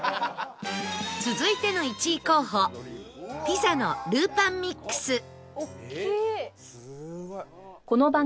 続いての１位候補ピザのるーぱんミックス